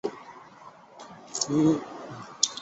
先后投效葛荣及尔朱荣。